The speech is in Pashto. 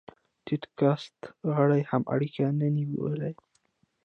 ټيټ کاست غړي هم اړیکه نه نیوله.